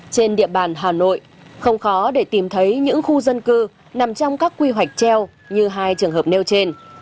trên địa bàn hà nội không khó để tìm thấy những khu dân cư nằm trong các quy hoạch treo như hai trường hợp nêu trên